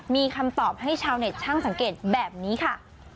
มีคำตอบให้ชาวเน็ตช่างสังเกตแบบนี้ค่ะ